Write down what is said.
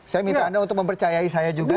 saya minta anda untuk mempercayai saya juga